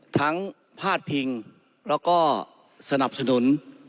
ทั้งภาษภิงแล้วก็สนับสนุน